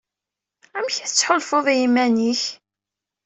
Amek i tettḥulfuḍ i yiman-ik?